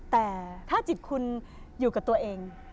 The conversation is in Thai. แต่ถ้าจิตคุณอยู่กับตัวเอง